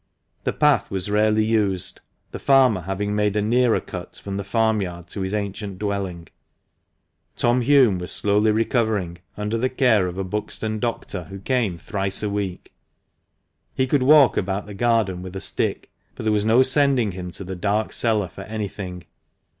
The path was rarely used, the farmer having made a nearer cut from the farmyard to his ancient dwelling. Tom Hulme was slowly recovering, under the care of a Buxton doctor who came thrice a week. He could walk about the garden with a stick, but there was no sending him to the dark cellar for anything.